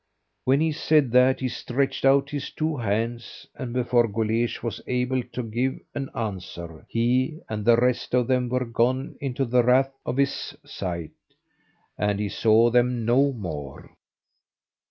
When he said that he stretched out his two hands, and before Guleesh was able to give an answer, he and the rest of them were gone into the rath out of his sight, and he saw them no more.